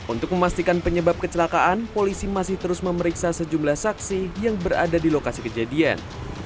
untuk memastikan penyebab kecelakaan polisi masih terus memeriksa sejumlah saksi yang berada di lokasi kejadian